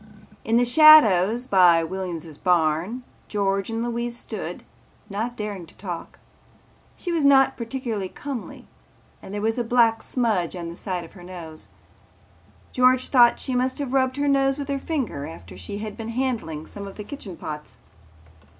In the shadows by Williams' barn George and Louise stood, not daring to talk. She was not particularly comely and there was a black smudge on the side of her nose. George thought she must have rubbed her nose with her finger after she had been handling some of the kitchen pots.